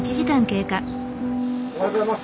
おはようございます。